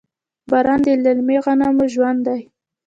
باران د للمي غنمو ژوند دی.